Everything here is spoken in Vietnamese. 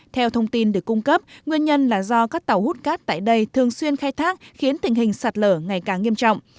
theo thông tin được cung cấp nguyên nhân là do các tàu hút cát tại đây thường xuyên khai thác khiến tình hình sạt lở ngày càng nghiêm trọng